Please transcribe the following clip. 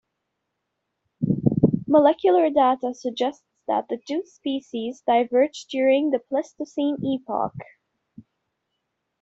Molecular data suggests that the two species diverged during the Pleistocene epoch.